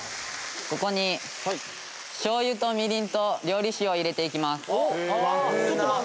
ここにしょう油とみりんと料理酒を入れていきます。